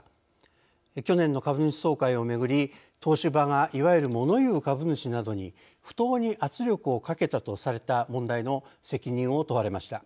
去年の株主総会をめぐり東芝がいわゆるモノ言う株主などに不当に圧力をかけたとされた問題の責任を問われました。